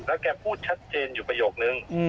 แล้วแกพูดชัดเจนอยู่ประโยคนึง